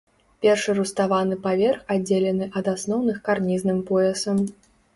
Першы руставаны паверх аддзелены ад асноўных карнізным поясам.